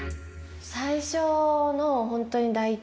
最初のホントに。